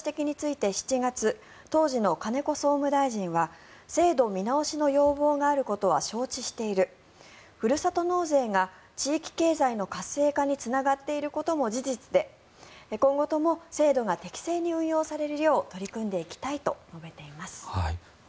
こうしたことについて７月当時の金子総務大臣は制度見直しの要望があることは承知しているふるさと納税が地域経済の活性化につながっていることも事実で今後とも制度が適正に運用されるよう取り組んでいきたいと述べています。